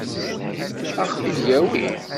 Ad ɣ-t-id-yawi?